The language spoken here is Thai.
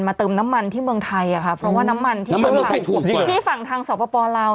มาเติมน้ำมันที่เมืองไทยอะค่ะเพราะว่าน้ำมันที่น้ำมันที่ฝั่งทางสปลาว